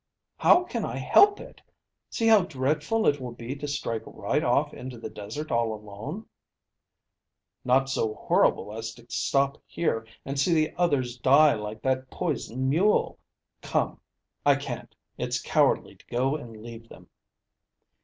"How can I help it? See how dreadful it will be to strike right off into the desert all alone." "Not so horrible as to stop here and see the others die like that poisoned mule. Come." "I can't: it's cowardly to go and leave them."